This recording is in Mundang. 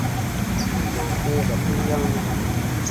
Mo joŋ fĩĩ gah ɓur yaŋne ?